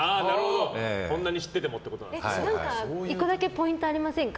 何か１個だけポイントありませんか？